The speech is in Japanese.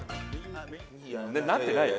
なってないよ。